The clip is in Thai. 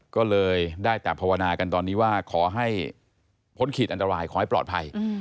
ก็เลยได้แต่ภาวนากันตอนนี้ว่าขอให้พ้นขีดอันตรายขอให้ปลอดภัย